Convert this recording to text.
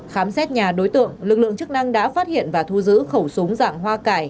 khám xét nhà đối tượng lực lượng chức năng đã phát hiện và thu giữ khẩu súng dạng hoa cải